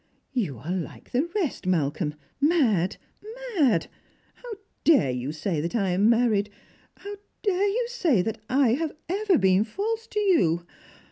"You are like the rest. Malcolm, mad, mad ! IIow dare you say that I am married ! how dare you say that I have ever been false to you